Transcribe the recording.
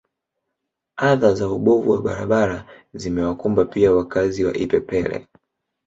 Adha za ubovu wa barabara zimewakumba pia wakazi wa Ipepele